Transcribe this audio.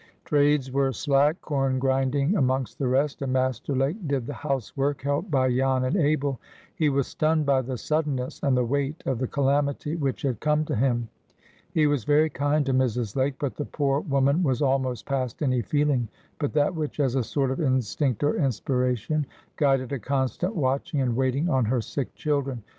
Trades were slack, corn grinding amongst the rest, and Master Lake did the housework, helped by Jan and Abel. He was stunned by the suddenness and the weight of the calamity which had come to him. He was very kind to Mrs. Lake, but the poor woman was almost past any feeling but that which, as a sort of instinct or inspiration, guided a constant watching and waiting on her sick children.